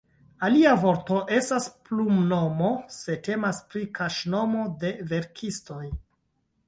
Alia vorto estas "plumnomo", se temas pri kaŝnomo de verkistoj.